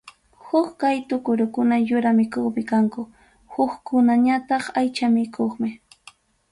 Huk qaytu kurukuna yura mikuqmi kanku, hukkunañataq aycha mikuqmi.